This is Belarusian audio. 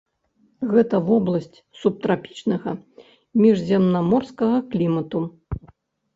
Гэта вобласць субтрапічнага міжземнаморскага клімату.